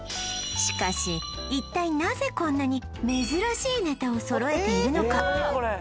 しかし一体なぜこんなに珍しいネタを揃えているのか？